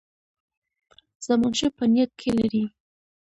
زمانشاه په نیت کې لري.